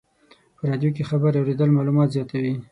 په رادیو کې خبرې اورېدل معلومات زیاتوي.